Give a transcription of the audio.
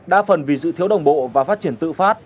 đa phần vì sự thiếu đồng bộ và phát triển tự phát